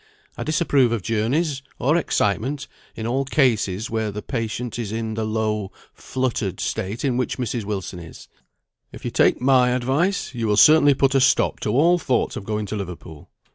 I disapprove of journeys, or excitement, in all cases where the patient is in the low, fluttered state in which Mrs. Wilson is. If you take my advice, you will certainly put a stop to all thoughts of going to Liverpool."